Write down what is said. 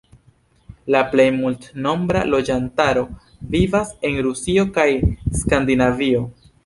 La plej multnombra loĝantaro vivas en Rusio kaj Skandinavio.